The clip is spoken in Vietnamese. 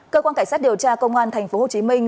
cơ quan cảnh sát điều tra công an thành phố hồ chí minh